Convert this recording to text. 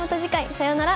さようなら。